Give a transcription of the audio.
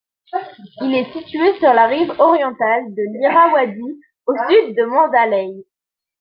Elle est située sur la rive orientale de l'Irrawaddy, au sud de Mandalay.